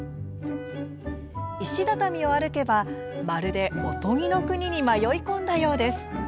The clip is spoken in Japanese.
石畳を歩けば、まるでおとぎの国に迷い込んだようです。